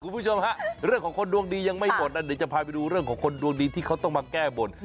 คุณผู้ชมฮะเรื่องของคนดวงดียังไม่หมดนะเดี๋ยวจะพาไปดูเรื่องของคนดวงดีที่เขาต้องมาแก้บน